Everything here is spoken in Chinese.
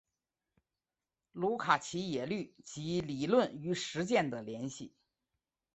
卢卡奇也虑及理论与实践的联系。